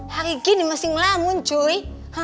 hari gini masih ngelamun cuy